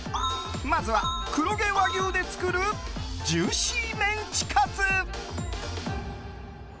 まずは、黒毛和牛で作るジューシーメンチカツ。